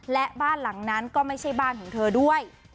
และบ้านหลังนั้นก็ไม่ใช่บ้านของเธอด้วย